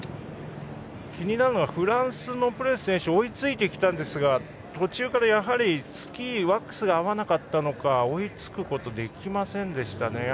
気になるのはフランスのプラス選手追いついてきたんですが途中からスキーのワックスが合わなかったのか追いつくことができませんでした。